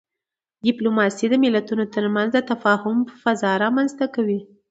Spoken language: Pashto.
ډيپلوماسي د ملتونو ترمنځ د تفاهم فضا رامنځته کوي.